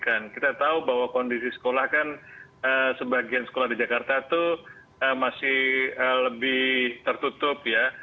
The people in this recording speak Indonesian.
karena kita tahu bahwa kondisi sekolah kan sebagian sekolah di jakarta itu masih lebih tertutup ya